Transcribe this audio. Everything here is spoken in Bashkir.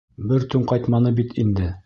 Бер төн ҡайтманы бит инде.